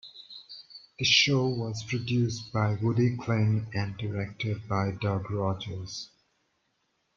The show was produced by Woody Kling and directed by Doug Rogers.